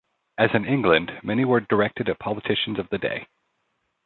As in England, many were directed at politicians of the day.